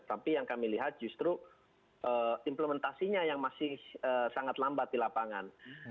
tapi yang kami lihat justru implementasinya yang masih sangat lambat di lapangan